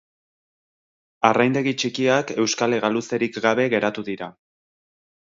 Arraindegi txikiak euskal hegaluzerik gabe geratu dira.